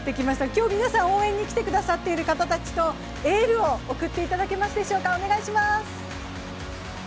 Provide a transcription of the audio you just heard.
今日、皆さん応援に来てくださっている方たちとエールを送ってくださいますでしょうか。